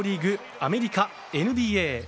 アメリカ、ＮＢＡ。